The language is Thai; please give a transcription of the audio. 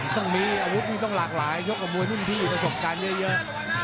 ต้องมีอาวุธนี่ต้องหลากหลายชกกับมวยรุ่นพี่ประสบการณ์เยอะ